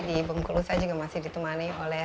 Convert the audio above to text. di bengkulu saya juga masih ditemani oleh